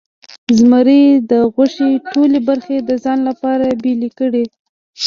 زمري د غوښې ټولې برخې د ځان لپاره بیلې کړې.